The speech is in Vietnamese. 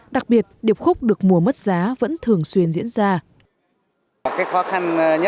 đặc biệt điệp khúc được mùa mất giá vẫn thường xuyên diễn ra